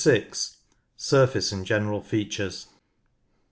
Surface and General Features.